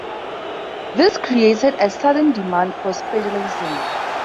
This created a sudden demand for spiegeleisen.